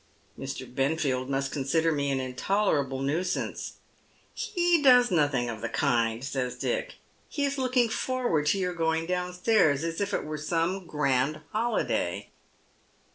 " Mr. Benfield must consider me an intolerable nuisance." " He does nothing of the kind," says Dick ;" he is looking forward to your going downstairs as if it were some grand holiday."